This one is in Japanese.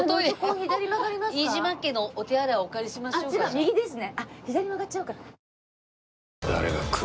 右ですね。